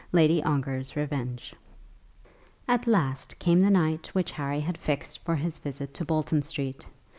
LADY ONGAR'S REVENGE. At last came the night which Harry had fixed for his visit to Bolton Street.